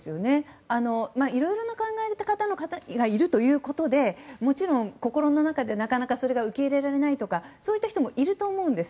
いろいろな考えの方がいるということでもちろん、心の中で、それがなかなか受け入れられないとかそういった人もいると思うんです。